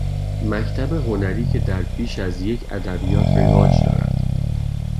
مکتب هنری که در بیش از یک ادبیات رواج دارد